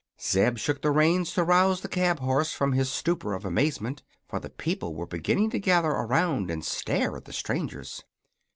Zeb shook the reins to rouse the cab horse from his stupor of amazement, for the people were beginning to gather around and stare at the strangers.